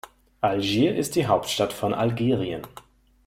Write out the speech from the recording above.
Algier ist die Hauptstadt von Algerien.